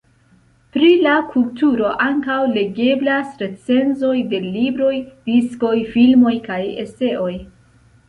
Pri la kulturo ankaŭ legeblas recenzoj de libroj, diskoj, filmoj, kaj eseoj.